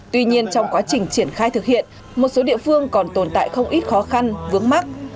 tuy nhiên trong quá trình triển khai thực hiện một số địa phương còn tồn tại không ít khó khăn vướng mắt